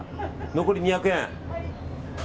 残り２００円。